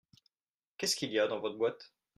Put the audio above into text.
Qu’est-ce qu’il y a dans votre boîte ?